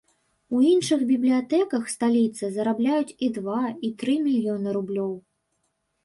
У іншых бібліятэках сталіцы зарабляюць і два, і тры мільёны рублёў.